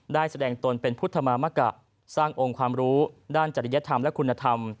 ได้แสดงตนเป็นพุทธมามกะสร้างองค์ความรู้ด้านจริยธรรมและคุณธรรม